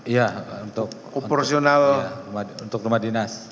iya untuk rumah dinas